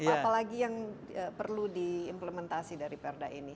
apalagi yang perlu diimplementasi dari perda ini